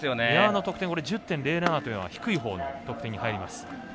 エアの得点１０．０７というのは低いほうの得点に入ります。